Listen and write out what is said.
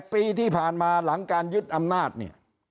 ปีที่ผ่านมาหลังการยึดอำนาจเนี่ย